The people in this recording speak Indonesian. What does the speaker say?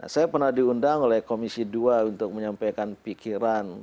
saya pernah diundang oleh komisi dua untuk menyampaikan pikiran